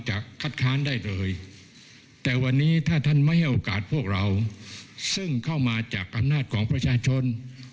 ให้โอกาสพวกเราซึ่งเข้ามาจากคำนาจของประชาชน